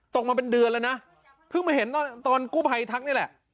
ตกมาเป็นเดือนแล้วนะเพิ่งมาเห็นตอนกู้ภัยทักนี่แหละ